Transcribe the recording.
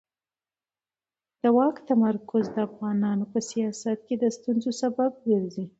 د واک تمرکز د افغانستان په سیاست کې د ستونزو سبب ګرځي